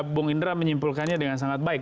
bung indra menyimpulkannya dengan sangat baik